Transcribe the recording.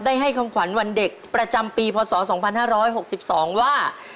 ให้คำขวัญวันเด็กประจำปีพศ๒๕๖๒ว่า